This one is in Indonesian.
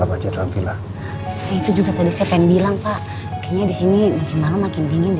ya udah lama jadwal gila itu juga tadi saya pengen bilang pak kayaknya disini makin malam makin dingin